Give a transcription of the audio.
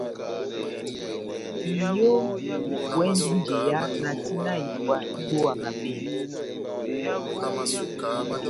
Iyo vipuwɛndi njeya na tina ipwa dibówa mavela.